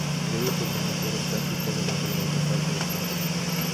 Debe permanecer estática durante la mayor parte del tiempo.